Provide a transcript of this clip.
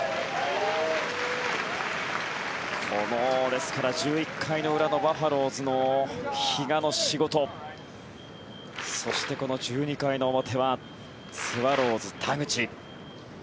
ですから、１１回の裏のバファローズの比嘉の仕事そして、この１２回の表はスワローズ、田口。